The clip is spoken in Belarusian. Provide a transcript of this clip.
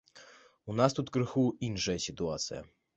У нас тут крыху іншая сітуацыя.